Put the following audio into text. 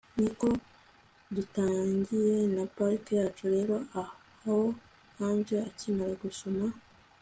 Niko dutangiye na part yacu rero aho Angel akimara gusoma